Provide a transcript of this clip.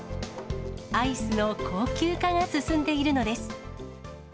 アイスの高級化が進んでいるのです。